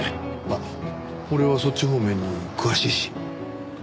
まあ俺はそっち方面に詳しいし。